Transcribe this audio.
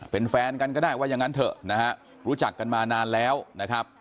เป็นแฟนกันก็ได้ว่าอย่างนั้นเถอะนะฮะรู้จักกันมานานแล้วนะครับ